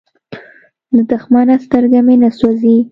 له دښمنه سترګه مې نه سوزي.